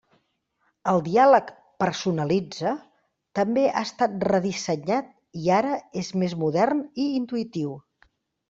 El diàleg «Personalitza» també ha estat redissenyat i ara és més modern i intuïtiu.